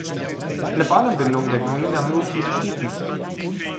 Eine Bahnanbindung der Gmina Miłki besteht nicht.